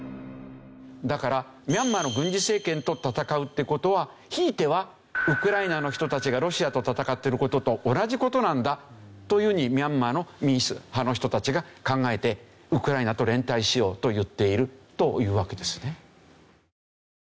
だからミャンマーの軍事政権と戦うって事はひいてはウクライナの人たちがロシアと戦ってる事と同じ事なんだというふうにミャンマーの民主派の人たちが考えてウクライナと連帯しようと言っているというわけですね。